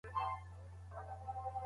لور باید خپل علم بې ګټې نه کړي.